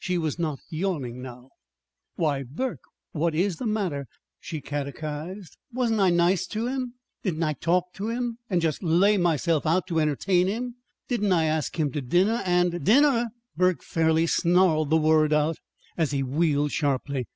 She was not yawning now. "Why, Burke, what is the matter?" she catechized. "Wasn't I nice to him? Didn't I talk to him, and just lay myself out to entertain him? Didn't I ask him to dinner, and " "Dinner!" Burke fairly snarled the word out as he wheeled sharply.